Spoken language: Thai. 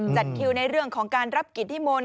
จัดคิวในเรื่องของการรับกิจนิมนต์